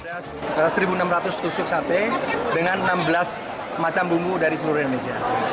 ada satu enam ratus tusuk sate dengan enam belas macam bumbu dari seluruh indonesia